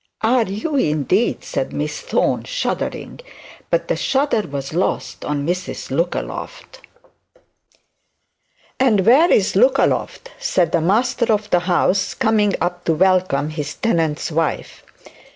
'Are you, indeed?' said Miss Thorne shuddering; but the shudder was not lost on Mrs Lookaloft. 'And where's Lookaloft,' said the master of the house, coming up to welcome his tenant's wife.